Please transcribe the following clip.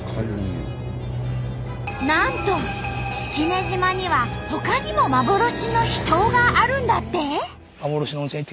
なんと式根島にはほかにも幻の秘湯があるんだって！？